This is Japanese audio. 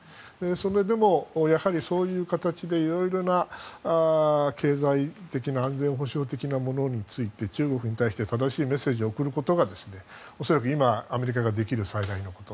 それでも、そういう形でいろいろな経済的な安全保障的なものについて中国に対して正しいメッセージを送ることが恐らく今、アメリカができる最大のこと。